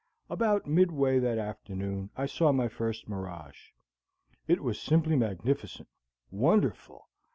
About mid way that afternoon I saw my first mirage. It was simply magnificent, wonderful!